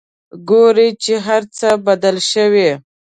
ګوري چې هرڅه بدل شوي.